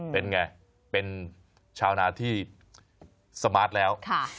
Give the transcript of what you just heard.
เป็นไงเป็นชาวนาที่สมาร์ทแล้ว